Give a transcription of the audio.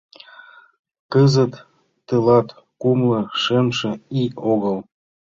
Кызыт тылат кумло шымше ий огыл.